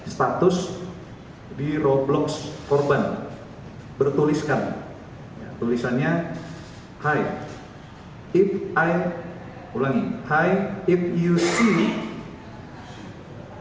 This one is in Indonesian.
status di roblox korban bertuliskan tulisannya hai if i ulangi hai if you see this